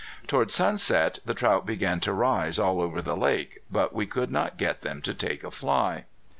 Toward sunset the trout began to rise all over the lake, but we could not get them to take a fly.